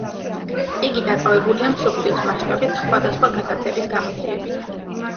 იგი დაკავებულია მსოფლიოს მასშტაბით სხვადასხვა გატაცების გამოძიებით.